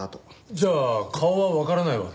じゃあ顔はわからないわけ？